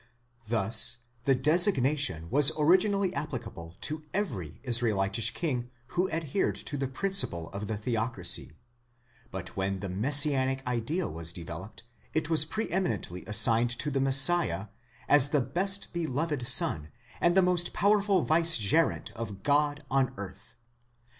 Thus the designation was originally applicable to every Israelitish king who adhered to the principle of the theocracy ; but when the messianic idea was developed, it was pre eminently assigned to the Messiah, as the best beloved Son, and the most powerful vicegerent of God on earth.?